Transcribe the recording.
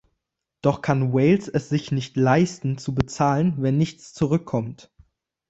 Doch kann Wales es sich nicht leisten, zu bezahlen, wenn nichts zurückkommt.